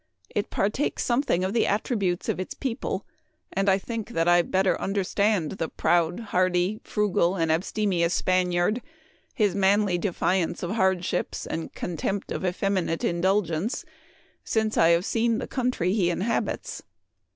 It partakes some thing of the attributes of its people, and I think that I better understand the proud, hardy, fru gal, and abstemious Spaniard, his manly defi ance of hardships and contempt of effeminate indulgence, since I have seen the country he inhabits.